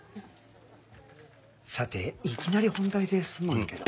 さていきなり本題ですまんけど。